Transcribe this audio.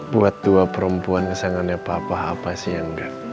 buat dua perempuan kesangganya papa apa sih yang enggak